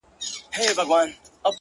دا چا ويل چي له هيواده سره شپې نه كوم،